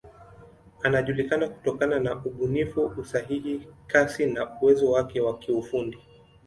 Anajulikana kutokana na ubunifu, usahihi, kasi na uwezo wake wa kiufundi.